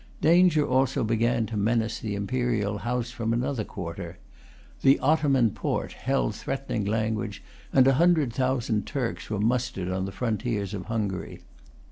Danger also began to menace the Imperial house from another quarter. The Ottoman Porte held threatening language, and a hundred thousand Turks were mustered on the frontiers of Hungary.